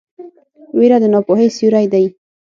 ویره د ناپوهۍ سیوری دی.